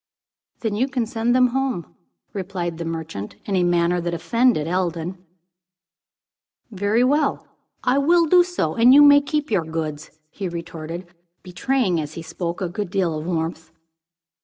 "Then you can send them home," replied the merchant, in a manner that offended Eldon. "Very well, I will do so, and you may keep your goods," he retorted, betraying, as he spoke, a good deal of warmth.